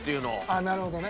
ああなるほどね。